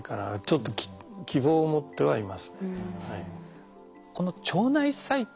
ちょっと希望を持ってはいますね。